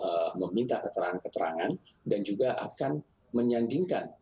nanti pengacara juga akan meminta keterangan keterangan dan juga akan menyandingkan